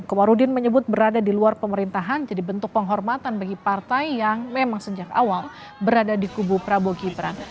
komarudin menyebut berada di luar pemerintahan jadi bentuk penghormatan bagi partai yang memang sejak awal berada di kubu prabowo gibran